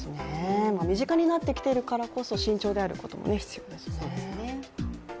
身近になっているからこそ、慎重になることが必要ですよね。